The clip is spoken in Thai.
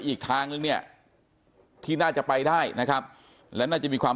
อีกทางนึงเนี่ยที่น่าจะไปได้นะครับและน่าจะมีความ